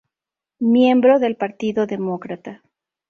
Miembro del Partido Demócrata.